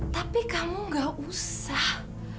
tapi kamu gak usah